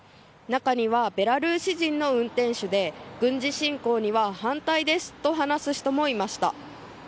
中には、ベラルーシ人の運転手で軍事侵攻には反対ですと話す人もいました。